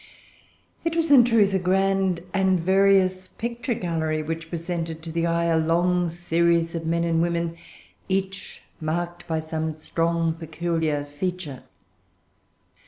It was in truth a grand and various picture gallery, which presented to the eye a long series of men and women, each marked by some strong peculiar feature.